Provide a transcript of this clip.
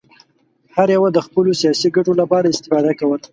هر یوه د خپلو سیاسي ګټو لپاره استفاده کوله.